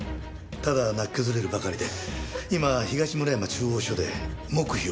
ただ泣き崩れるばかりで今東村山中央署で黙秘を続けています。